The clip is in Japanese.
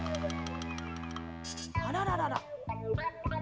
あらららら。